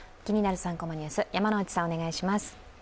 ３コマニュース」、山内さん、お願いします。